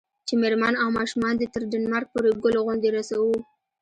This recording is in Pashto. چې میرمن او ماشومان دې تر ډنمارک پورې ګل غوندې رسوو.